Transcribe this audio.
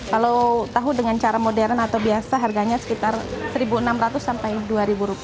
kalau tahu dengan cara modern atau biasa harganya sekitar rp satu enam ratus sampai rp dua